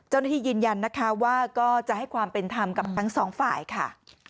ยืนยันนะคะว่าก็จะให้ความเป็นธรรมกับทั้งสองฝ่ายค่ะ